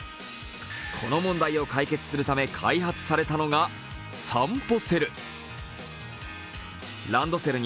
この問題を解決するため開発されたのがさんぽセル。